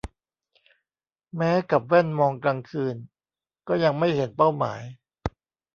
แม้กับแว่นมองกลางคืน ก็ยังไม่เห็นเป้าหมาย